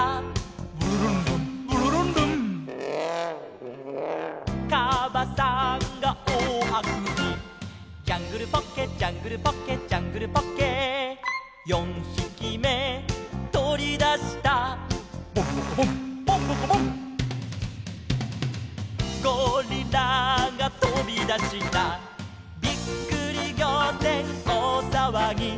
「ブルルンルンブルルンルン」「かばさんがおおあくび」「ジャングルポッケジャングルポッケ」「ジャングルポッケ」「四ひきめとり出した」「ボンボコボンボンボコボン」「ゴリラがとび出した」「びっくりぎょうてんおおさわぎ」